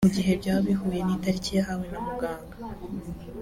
mu gihe byaba bihuye n’itariki yahawe na muganga